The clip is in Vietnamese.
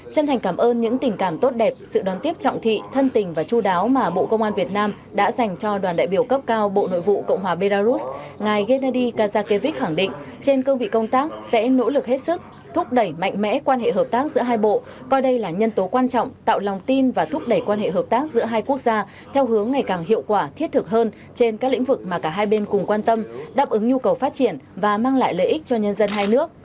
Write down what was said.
chân thành cảm ơn những tình cảm tốt đẹp sự đón tiếp trọng thị thân tình và chú đáo mà bộ công an việt nam đã dành cho đoàn đại biểu cấp cao bộ nội vụ cộng hòa belarus ngài gennady kazakevich khẳng định trên cơ vị công tác sẽ nỗ lực hết sức thúc đẩy mạnh mẽ quan hệ hợp tác giữa hai bộ coi đây là nhân tố quan trọng tạo lòng tin và thúc đẩy quan hệ hợp tác giữa hai quốc gia theo hướng ngày càng hiệu quả thiết thực hơn trên các lĩnh vực mà cả hai bên cùng quan tâm đáp ứng nhu cầu phát triển và mang lại lợi ích cho nhân dân hai